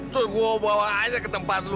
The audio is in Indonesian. terus gua bawa aja ke tempat lu